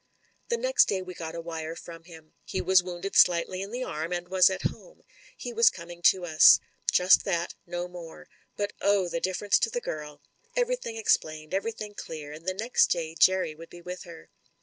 The next day we got a wire from him. He was wotmded slightly in the arm, and was at home. He THE FATAL SECOND in was coming to us. Just that — ^no more. But, oh! the difference to the girl Everything explained, every thing clear, and the next day Jerry would be with her.